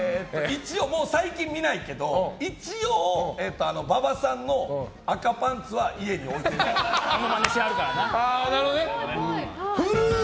最近見ないけど一応、馬場さんの赤パンツはまだ始めてないの？